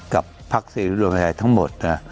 กับภักษีฤทธิ์รุ่นประชาชนทั้งหมดนะ